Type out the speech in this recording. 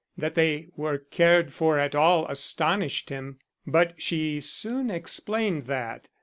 That they were cared for at all astonished him. But she soon explained that.